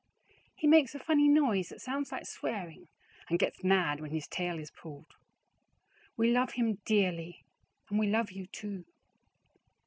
He makes a funny noise that sounds like swering and gets mad when his tale is puled. We love him dearly and we love you two.